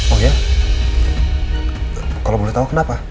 oh ya kalau boleh tahu kenapa